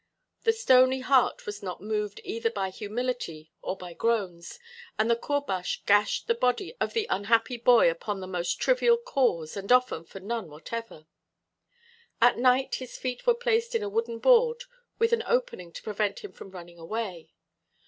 The stony heart was not moved either by humility or by groans, and the courbash gashed the body of the unhappy boy upon the most trivial cause and often for none whatever. At night his feet were placed in a wooden board with an opening to prevent him from running away.